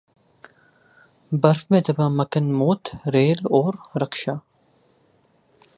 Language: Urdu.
برف میں دبا مکھن موت ریل اور رکشا